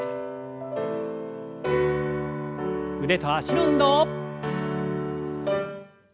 腕と脚の運動。